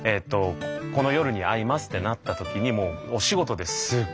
「この夜に会います」ってなった時にお仕事ですっごい